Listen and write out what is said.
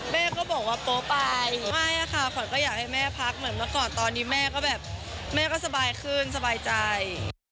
แม่ก็บอกว่าโป๊ไปไม่ค่ะขวัญก็อยากให้แม่พักเหมือนเมื่อก่อนตอนนี้แม่ก็แบบแม่ก็สบายขึ้นสบายใจ